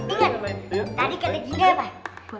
ingat tadi kata gini apa